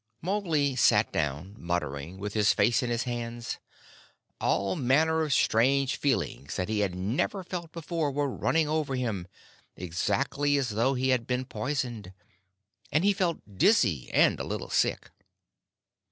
Mowgli sat down, muttering, with his face in his hands. All manner of strange feelings that he had never felt before were running over him, exactly as though he had been poisoned, and he felt dizzy and a little sick.